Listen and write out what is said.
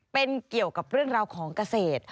เป็นเกี่ยวกับเรื่องราวของเกษตร